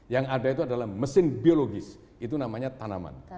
yang ada itu adalah mesin biologis itu namanya tanaman